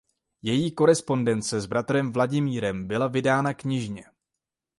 Její korespondence s bratrem Vladimirem byla vydána knižně.